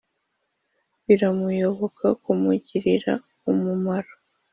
biramuyoboka: kumugirira umumaro